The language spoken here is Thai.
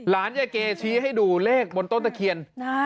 ล้านยายเกย์ชี้ให้ดูเลขบนต้นตะเคียน